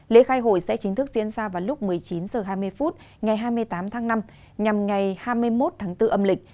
lễ khai hội sẽ chính thức diễn ra vào lúc một mươi chín h hai mươi phút ngày hai mươi tám tháng năm nhằm ngày hai mươi một tháng bốn âm lịch